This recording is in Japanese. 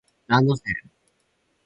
ランドセル